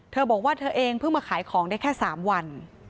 เธอบอกว่าเธอเองเพิ่งมาขายของได้แค่๓วัน